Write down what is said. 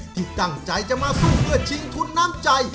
ที่ตั้งใจจะมาสู้เพื่อชิงทุนน้ำใจ